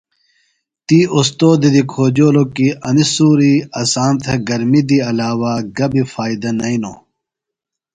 تی اوستوذہ دی کھوجولوۡ کی انیۡ سۡوری اسام تھےۡ گرمیۡ دی علاوہ گہ بیۡ فائدہ نئینوۡ۔